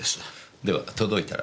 では届いたら。